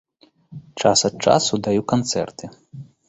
Час ад часу даю канцэрты.